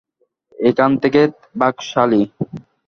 এখান থেকে ভাগ সালি!